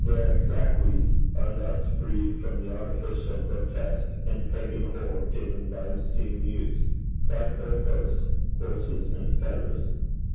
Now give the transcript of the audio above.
Their exequies are thus freed from the artificial, grotesque, and pagan horror given by obscene mutes, frightful hearse, horses, and feathers.